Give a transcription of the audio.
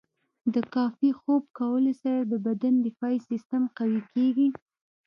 د کافي خوب کولو سره د بدن دفاعي سیستم قوي کیږي.